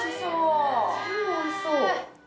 全部おいしそう。